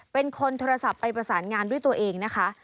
เป็นคนโทรศัพท์ไปประสานงานด้วยตัวเองนะคะ